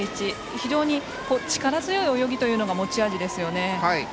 非常に力強い泳ぎが持ち味ですよね。